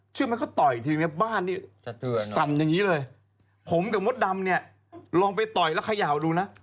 เชื่อไหมเขาต่อยทีเนี้ยบ้านนี่สั่นอย่างนี้เลยผมกับมดดำเนี่ยลองไปต่อยแล้วเขย่าดูนะ